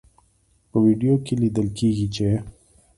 په ویډیو کې لیدل کیږي چې